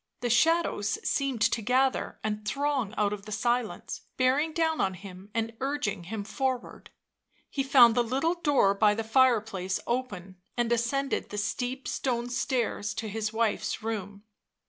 The shadows seemed to gather and throng out of the silence, bearing down on him and urging him forward; he found the little door by the fireplace open, and ascended the steep stone stairs to his wife's room.